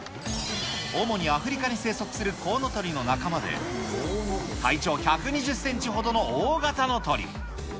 主にアフリカに生息するコウノトリの仲間で、体長１２０センチほどの大型の鳥。